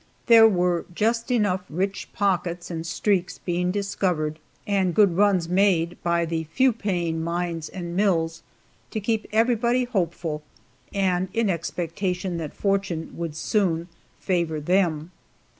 There were just enough rich "pockets" and streaks being discovered and good runs made by the few paying mines and mills to keep everybody hopeful and in expectation that fortune would soon favor them.